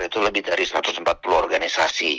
itu lebih dari satu ratus empat puluh organisasi